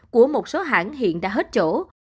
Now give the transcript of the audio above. của một số hãng hiện đã hết chỗ